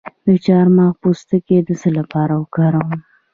د چارمغز پوستکی د څه لپاره وکاروم؟